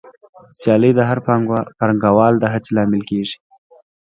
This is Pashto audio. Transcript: سیالي د هر پانګوال د هڅې لامل کېږي